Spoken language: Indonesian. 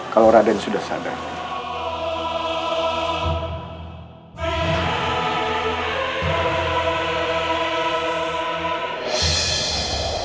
kalau raden sudah sadar